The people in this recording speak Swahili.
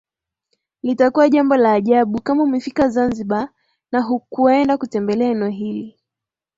Litakuwa jambo la ajabu kama umefika Zanzibar na hukuenda kutembelea eneo hili